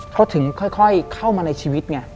เขาถึงค่อยเข้ามาในชีวิตไง